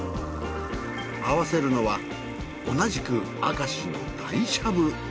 合わせるのは同じく明石の鯛しゃぶ。